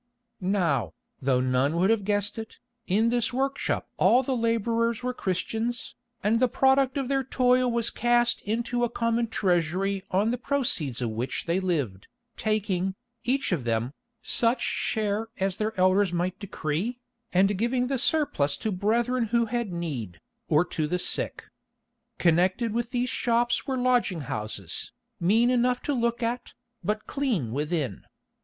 Now, though none would have guessed it, in this workshop all the labourers were Christians, and the product of their toil was cast into a common treasury on the proceeds of which they lived, taking, each of them, such share as their elders might decree, and giving the surplus to brethren who had need, or to the sick. Connected with these shops were lodging houses, mean enough to look at, but clean within.